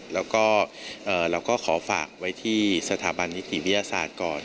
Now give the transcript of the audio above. แล้วก็เราก็ขอฝากไว้ที่สถาบันนิติวิทยาศาสตร์ก่อน